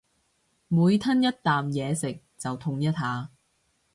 每吞一啖嘢食就痛一下